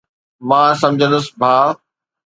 مان سمجهندس ڀاءُ.